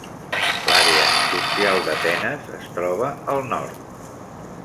L'àrea industrial d'Atenes es troba al nord.